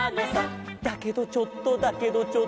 「だけどちょっとだけどちょっと」